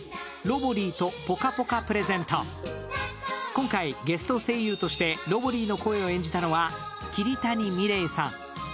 今回、ゲスト声優としてロボリィの声を演じたのは桐谷美玲さん。